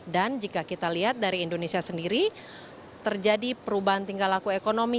dan jika kita lihat dari indonesia sendiri terjadi perubahan tingkah laku ekonomi